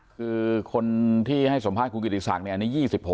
คือคนที่ให้สัมภาษณ์คุณกิติศักดิ์อันนี้๒๖